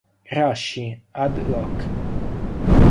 Rashi, "ad loc.